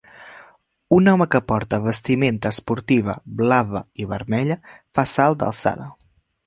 Un home que porta vestimenta esportiva blava i vermella fa salt d'alçada.